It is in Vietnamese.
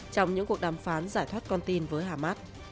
trong những cuộc đàm phán giải thoát con tin với hamas